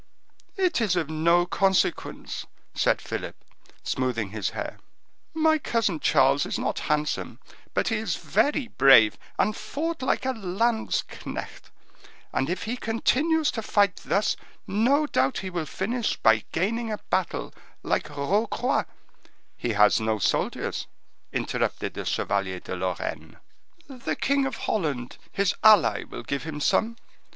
"It is of no consequence," said Philip, smoothing his hair; "my cousin Charles is not handsome, but he is very brave, and fought like a landsknecht; and if he continues to fight thus, no doubt he will finish by gaining a battle, like Rocroi—" "He has no soldiers," interrupted the Chevalier de Lorraine. "The king of Holland, his ally, will give him some.